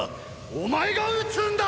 お前が討つんだ！！